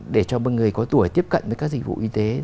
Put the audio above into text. để cho người có tuổi tiếp cận với các dịch vụ y tế